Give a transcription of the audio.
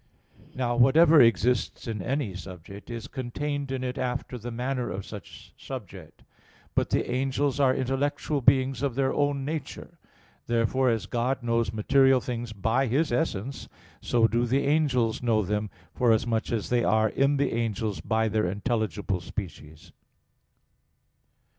Now whatever exists in any subject, is contained in it after the manner of such subject. But the angels are intellectual beings of their own nature. Therefore, as God knows material things by His essence, so do the angels know them, forasmuch as they are in the angels by their intelligible species.